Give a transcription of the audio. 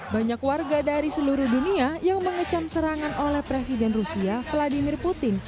banyak warga dari seluruh dunia yang mengecam serangan oleh presiden rusia vladimir putin